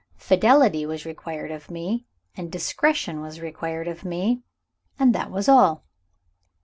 Fidelity was required of me, and discretion was required of me and that was all.